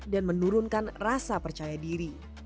dan menurunkan rasa percaya diri